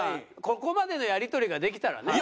ここまでのやり取りができたらね。